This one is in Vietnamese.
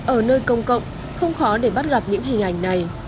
ở nơi công cộng không khó để bắt gặp những hình ảnh này